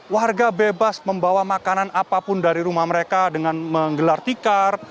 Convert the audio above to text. warga bebas membawa makanan apapun dari rumah mereka dengan menggelar tikar